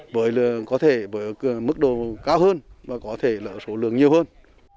bởi có thể mức độ cao hơn và có thể lợi số lượng nhiều hơn